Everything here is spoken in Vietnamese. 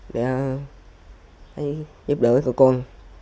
để giúp đỡ cho con